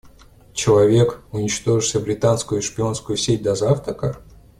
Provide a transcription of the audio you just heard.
Человек, уничтоживший британскую шпионскую сеть до завтрака?